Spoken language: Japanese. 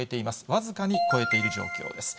僅かに超えている状況です。